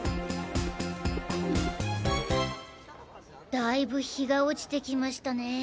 だいぶ日が落ちてきましたね。